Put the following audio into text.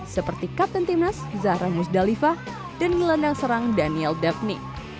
seperti kapten timnas zahra nusdalifah dan ngelandang serang daniel dabny